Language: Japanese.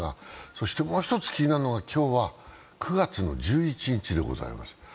そして、もう一つ気になるのが今日は９月１１日でございます。